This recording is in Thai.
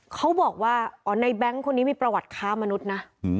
เขาบอกว่าอ๋อในแบงค์คนนี้มีประวัติค้ามนุษย์นะ